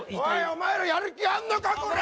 お前らやる気あんのかこら！